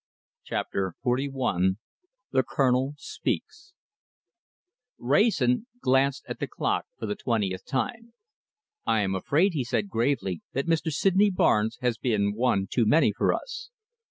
CHAPTER XLI THE COLONEL SPEAKS Wrayson glanced at the clock for the twentieth time. "I am afraid," he said gravely, "that Mr. Sydney Barnes has been one too many for us."